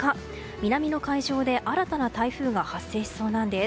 南の海上で新たな台風が発生しそうなんです。